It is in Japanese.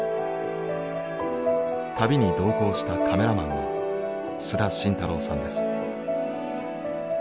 旅に同行したカメラマンの須田慎太郎さんです。